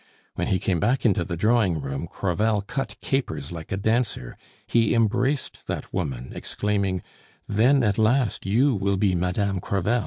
"When he came back into the drawing room, Crevel cut capers like a dancer; he embraced that woman, exclaiming, 'Then, at last, you will be Madame Crevel!